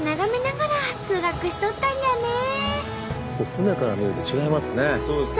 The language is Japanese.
船から見ると違いますね。